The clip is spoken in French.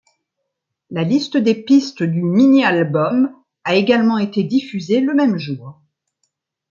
La liste des pistes du mini-album a également été diffusée le même jour.